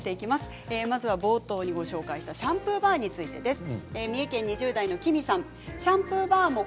冒頭にご紹介したシャンプーバーについてです。